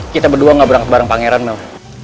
kita berdua gak berangkat bareng pangeran memang